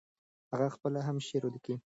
هغه خپله هم شعر ليکه.